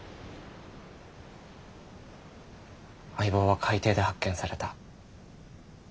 相棒は海底で発見された。